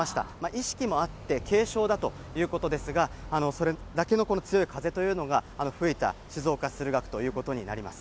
意識もあって軽傷だということですが、それだけの強い風というのが吹いた、静岡市駿河区ということになります。